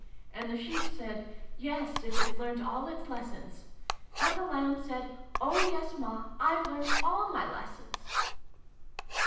' And the Sheep said ' Yes, if it's learnt all its lessons.' And the Lamb said ' Oh yes, Ma ! I've learnt all my lessons